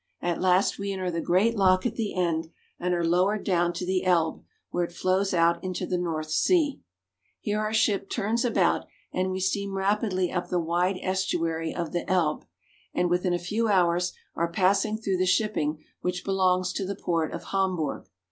At last we enter the great lock at the end, and are lowered down to the Elbe, where it flows out into the North Sea. Here our ship turns about, and we steam rapidly up the wide estuary of the Elbe ; and within a few hours are pass (*94) THE SEAPORTS OF GERMANY. 1 95 ing through the shipping which belongs to the port of Hamburg.